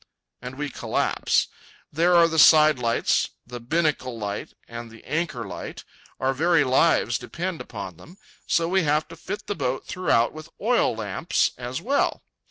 And we collapse. There are the sidelights, the binnacle light, and the anchor light. Our very lives depend upon them. So we have to fit the boat throughout with oil lamps as well.